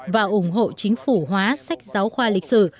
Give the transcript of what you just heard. và ủng hộ chính phủ hóa sách giáo khoa lịch sử